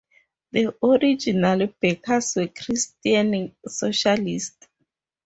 The original backers were Christian Socialists.